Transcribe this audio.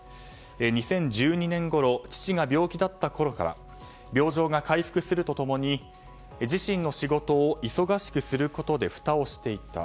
２０１２年ごろ父が病気だったころから病状が回復すると共に自身の仕事を忙しくすることでふたをしていた。